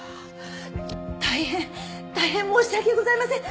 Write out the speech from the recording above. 大変大変申し訳ございません！